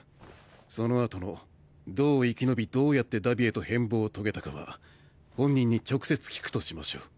そのあとのどう生き延びどうやって荼毘へと変貌を遂げたかは本人に直接聞くとしましょう。